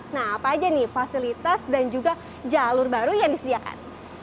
nah apa aja nih fasilitas dan juga jalur baru yang disediakan